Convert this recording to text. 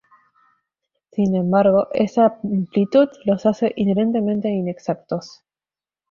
Sin embargo, esa amplitud los hace inherentemente inexactos.